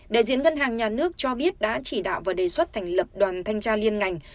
đại diện ngân hàng nhà nước cho biết đã chỉ đạo và đề xuất thành lập đoàn thanh tra liên ngành